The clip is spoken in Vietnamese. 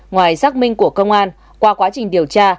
ngoài xác minh của công an qua quá trình điều tra